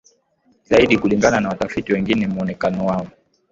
zaidi Kulingana na watafiti wengine muonekano wao